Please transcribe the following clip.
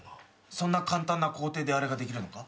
そんな簡単な工程であれができるのか？